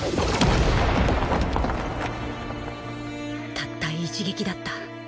たった一撃だった。